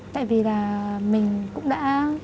tại vì là mình cũng đã